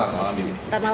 jangan nanya ibu